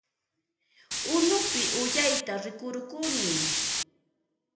Unupi uyayta rikurukuni